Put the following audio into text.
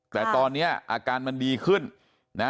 แต่ตอนนี้อาการมันดีขึ้นนะ